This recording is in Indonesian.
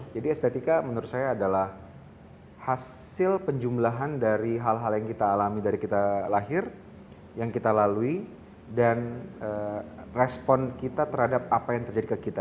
jadi estetika menurut saya adalah hasil penjumlahan dari hal hal yang kita alami dari kita lahir yang kita lalui dan respon kita terhadap apa yang terjadi ke kita